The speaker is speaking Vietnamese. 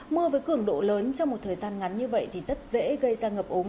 mưa với cường độ lớn trong một thời gian ngắn như vậy thì rất dễ gây ra ngập ống